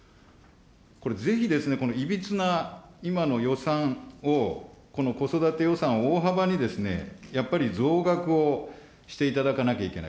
これ、ぜひですね、いびつな今の予算を、子育て予算を大幅に、やっぱり増額をしていただかなきゃいけない。